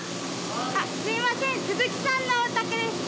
すみません鈴木さんのお宅ですか？